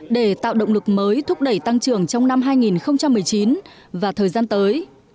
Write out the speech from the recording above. để tạo động lực mới thúc đẩy tăng trưởng trong năm hai nghìn một mươi chín và thời gian tới